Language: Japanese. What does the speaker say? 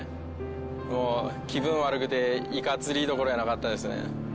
もう気分悪くてイカ釣りどころやなかったですね。